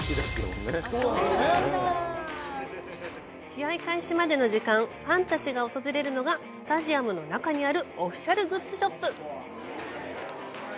試合開始までの時間、ファンたちが訪れるのが、スタジアムの中にあるオフィシャルグッズショップ。